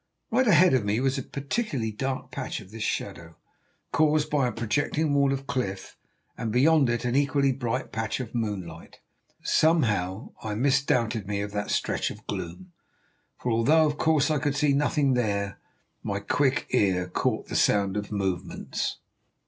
Right ahead of me was a particularly dark patch of this shadow, caused by a projecting wall of cliff, and beyond it an equally bright patch of moonlight. Somehow I misdoubted me of that stretch of gloom, for although, of course, I could see nothing there, my quick ear caught the sound of movements.